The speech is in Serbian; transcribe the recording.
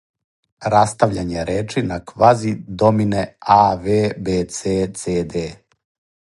растављање речи на квази домине ав бц цд.